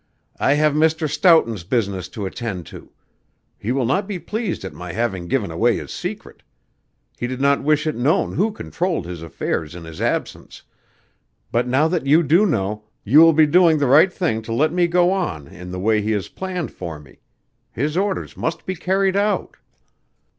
'I have Mr. Stoughton's business to attend to. He will not be pleased at my having given away his secret. He did not wish it known who controlled his affairs in his absence, but now that you do know, you will be doing the right thing to let me go on in the way he has planned for me. His orders must be carried out.'